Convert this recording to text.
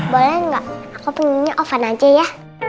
boleh nggak aku pinginnya ovan aja ya